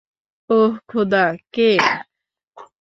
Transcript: ওহ, খোদা, কে?